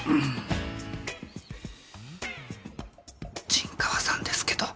陣川さんですけど。